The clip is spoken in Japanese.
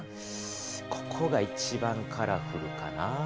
ここが一番カラフルかな？